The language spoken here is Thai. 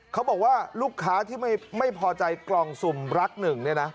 เขาบอกว่าลูกค้าที่ไม่พอใจกล่องสุ่มรักหนึ่งเนี่ยนะ